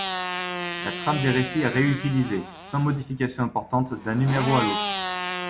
La trame des récits est réutilisée, sans modifications importantes d'un numéro à l'autre.